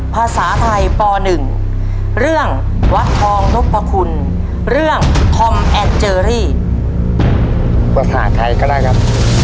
ภาษาไทยก็ได้ครับ